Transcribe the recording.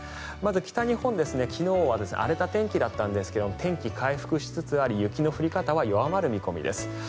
まず、北日本昨日は荒れた天気だったんですが天気回復しつつあり雪の降り方は弱まる見込みです。